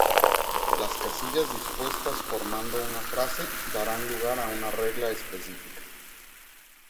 Las casillas dispuestas formando una frase darán lugar a una regla específica.